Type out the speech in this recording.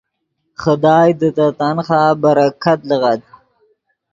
خدائے دے تے تنخواہ برکت لیغد۔